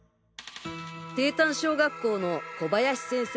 帝丹小学校の小林先生